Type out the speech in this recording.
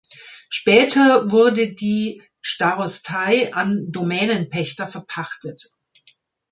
Später wurde die Starostei an Domänenpächter verpachtet.